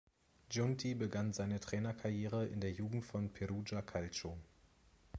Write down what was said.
Giunti begann seine Trainerkarriere in der Jugend von Perugia Calcio.